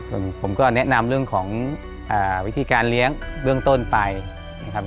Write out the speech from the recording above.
ส่วนผมก็แนะนำเรื่องของวิธีการเลี้ยงเบื้องต้นไปนะครับ